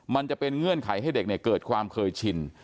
มันจะเป็นเงื่อนไขให้เด็กเกิดความเคยชิน